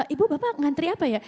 ibu bapak ngantri apa ya